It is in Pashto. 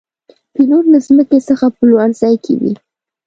پیلوټ له ځمکې څخه په لوړ ځای کې وي.